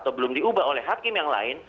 atau belum diubah oleh hakim yang lain